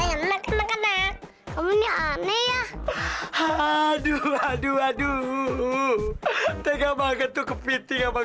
hai enak enak enak kamu nih aneh ya haduh haduh haduh tega banget tuh ke piting sama